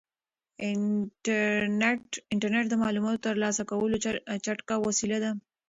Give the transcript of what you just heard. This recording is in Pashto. انټرنيټ د معلوماتو د ترلاسه کولو چټکه وسیله ده.